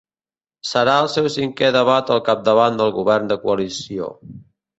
Serà el seu cinquè debat al capdavant del govern de coalició.